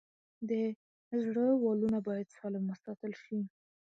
د زړه والونه باید سالم وساتل شي.